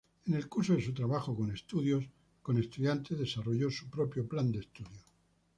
En el curso de su trabajo con estudiantes desarrolló su propio plan de estudios.